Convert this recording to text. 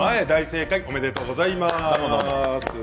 正解おめでとうございます。